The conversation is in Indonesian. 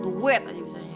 duit aja misalnya